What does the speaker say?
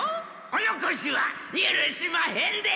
おのこしはゆるしまへんで！